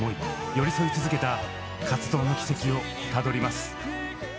寄り添い続けた活動の軌跡をたどります。